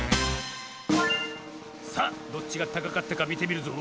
さあどっちがたかかったかみてみるぞ。